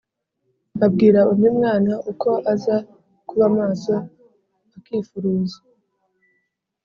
Abwira undi mwana uko aza kuba maso akifuruza.